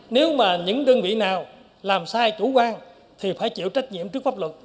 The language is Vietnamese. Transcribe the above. nếu mà những đơn vị nào làm sai chủ quan thì phải chịu trách nhiệm trước pháp luật